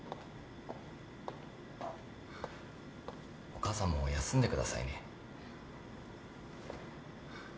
お母さんも休んでくださいね。